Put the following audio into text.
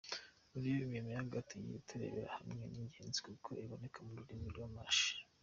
Muri iyo miyaga tugiye kurebera hamwe iy’ingenzi nkuko iboneka mu rurimi rw’Amashi.